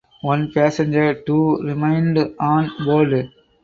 One passenger too remained on board.